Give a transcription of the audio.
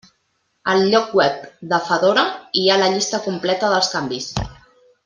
Al lloc web de Fedora hi ha la llista completa dels canvis.